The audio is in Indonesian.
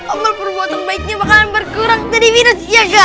amal perbuatan baiknya bakalan berkurang jadi virus iya gak